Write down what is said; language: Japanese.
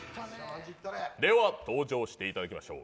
では登場していただきましょう。